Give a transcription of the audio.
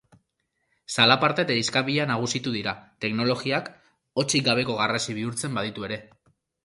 Zalaparta eta iskanbila nagusitu dira, teknologiak hotsik gabeko garrasi bihurtzen baditu ere.